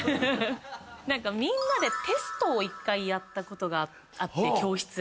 何かみんなでテストを１回やったことがあって教室で。